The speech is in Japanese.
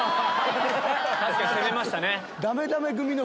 確かに攻めましたね。